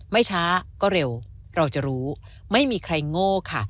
ไม่ช้าก็เร็วเราจะรู้ไม่มีใครโง่ค่ะ